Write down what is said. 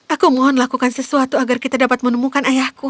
aku mohon lakukan sesuatu agar kita dapat menemukan ayahku